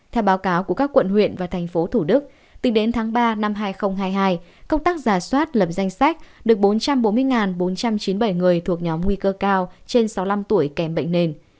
theo báo cáo của các quận huyện và thành phố thủ đức tính đến tháng ba năm hai nghìn hai mươi hai công tác giả soát lập danh sách được bốn trăm bốn mươi bốn trăm chín mươi bảy người thuộc nhóm nguy cơ cao trên sáu mươi năm tuổi kèm bệnh nền